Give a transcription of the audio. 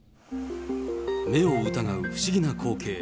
目を疑う不思議な光景。